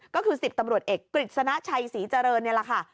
ก็คือ๑๐ตำรวจเอกกฤษณะชัยศรีเจริญนี่แหละค่ะ